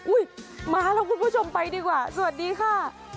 มาแล้วคุณผู้ชมไปดีกว่าสวัสดีค่ะ